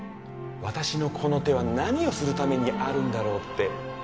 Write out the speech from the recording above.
私のこの手は何をするためにあるんだろうって。